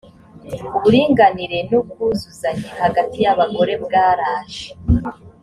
uburinganire n ubwuzuzanye hagati y abagore bwaraje